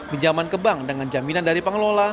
pinjaman ke bank dengan jaminan dari pengelola